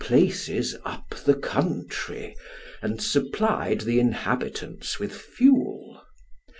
places up the country, and supplied the inhabitants with fuel.